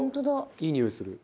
いいにおいする。